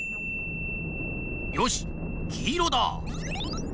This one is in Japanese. よしきいろだ！